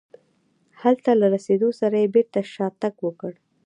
هلته له رسېدو سره یې بېرته شاتګ وکړ.